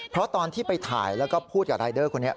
เพราะตอนที่ไปถ่ายแล้วก็พูดกับรายเดอร์คนนี้